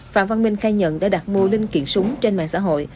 phạm văn minh khai nhận đã đặt mua linh kiện súng trên mạng xã hội